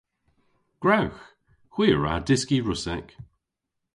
Gwrewgh! Hwi a wra dyski Russek.